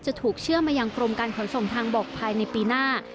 ถูกเชื่อมายังกรมการขนส่งทางบกภายในปีหน้า